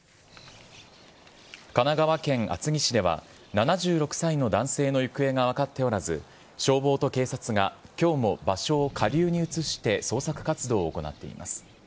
神奈川県厚木市では、７６歳の男性の行方が分かっておらず、消防と警察が、きょうも場所を下流に移して捜索活動を行っています。